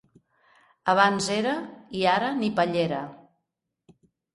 Abans era i ara ni pallera.